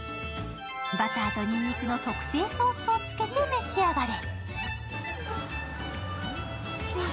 バターとにんにくの特製ソースをつけて召し上がれ。